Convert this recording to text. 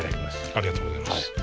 ありがとうございます。